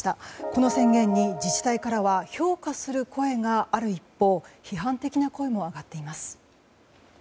この宣言に自治体からは評価する声がある一方批判的な声も上がっています。